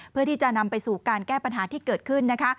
เพื่อที่จะนำไปสู่การแก้ปัญหาที่เกิดขึ้นนะคะ